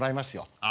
ああ